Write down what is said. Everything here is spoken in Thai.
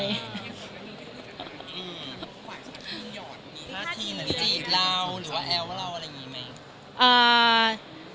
ถ้าทิ้งมันจะอีกเราหรือว่าแอลว่าเราอะไรอย่างนี้ไหม